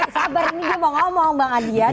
sabar ini dia mau ngomong mbak adian